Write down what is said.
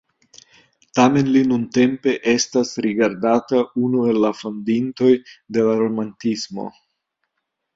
Tamen li nuntempe estas rigardata unu el la fondintoj de la romantismo.